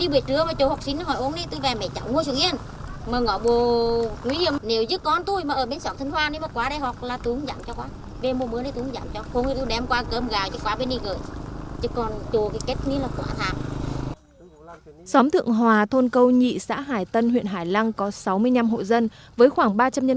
bà hoàng thị ba ở xã hải trường huyện hải lăng tỉnh quảng trị làm nghề buôn bán nhôm nhựa